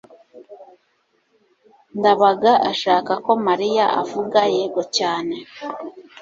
ndabaga ashaka ko mariya avuga yego cyane